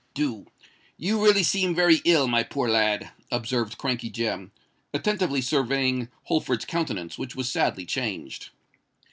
"Do. You really seem very ill, my poor lad," observed Crankey Jem, attentively surveying Holford's countenance, which was sadly changed.